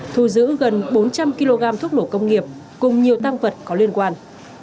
thu giữ gần bốn trăm linh kg thuốc nổ công nghiệp cùng nhiều tăng vật có liên quan